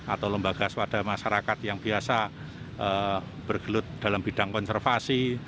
atau lembaga swada masyarakat yang biasa bergelut dalam bidang konservasi